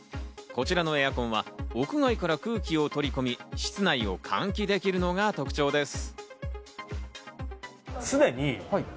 こちらのエアコンは、屋外から空気を取り込み室内を換気できるのが特徴です。